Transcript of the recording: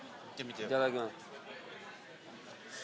いただきます。